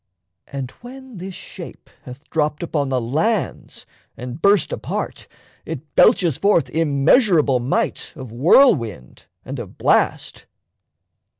And when this shape Hath dropped upon the lands and burst apart, It belches forth immeasurable might Of whirlwind and of blast.